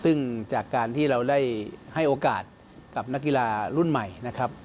ซึ่งจากการที่เราได้ให้โอกาสกับนักกีฬารุ่นใหม่นะครับ